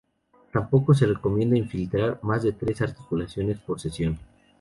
Tampoco se recomienda infiltrar más de tres articulaciones por sesión.